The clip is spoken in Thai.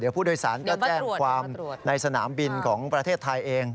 ผู้โดยสารก็แจ้งความในสนามบินของประเทศไทยเอง